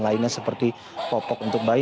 lainnya seperti popok untuk bayi